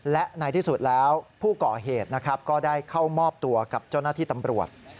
และในที่สุดแล้วผู้ก่อเหตุนะครับก็ได้เข้ามอบตัวกับเจ้าหน้าที่ตำรวจ